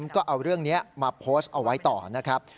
ก็เอาเรื่องนี้มาโพสต์เอาไว้ต่อนะครับ